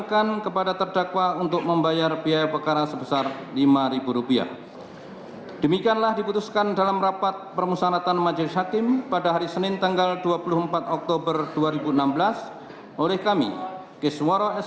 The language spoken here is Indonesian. tujuh menetapkan barang bukti berupa nomor satu sampai dengan nomor dua